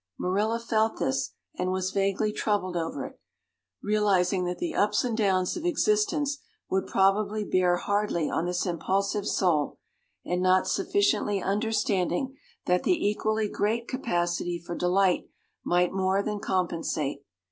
Marilla felt this and was vaguely troubled over it, realizing that the ups and downs of existence would probably bear hardly on this impulsive soul and not sufficiently understanding that the equally great capacity for delight might more than compensate.